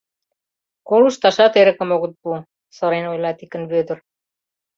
Колышташат эрыкым огыт пу, — сырен ойла Тикын Вӧдыр.